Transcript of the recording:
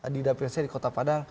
di daplc di kota padang